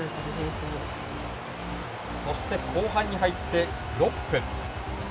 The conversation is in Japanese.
そして、後半に入って６分。